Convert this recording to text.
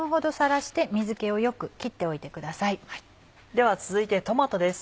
では続いてトマトです